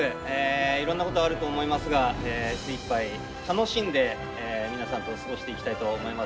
いろんなことあると思いますが精いっぱい楽しんで皆さんと過ごしていきたいと思います。